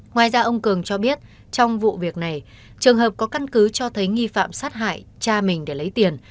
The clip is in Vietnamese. ngoài ra ông cường cho biết trong vụ việc này trường hợp có căn cứ cho thấy nghi phạm sát hại cha mình để lấy tiền